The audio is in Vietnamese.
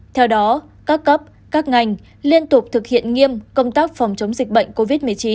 theo đó các cấp các ngành liên tục thực hiện nghiêm công tác phòng chống dịch bệnh covid một mươi chín